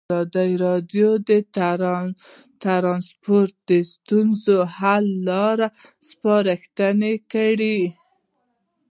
ازادي راډیو د ترانسپورټ د ستونزو حل لارې سپارښتنې کړي.